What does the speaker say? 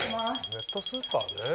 ネットスーパーね。